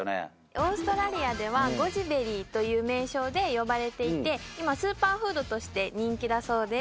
オーストラリアではゴジベリーという名称で呼ばれていて今スーパーフードとして人気だそうです